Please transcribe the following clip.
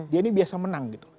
dia ini biasa menang gitu loh